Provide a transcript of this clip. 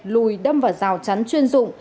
lùi đâm vào rào chắn chuyên dụng